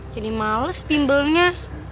jadi males bimbelnya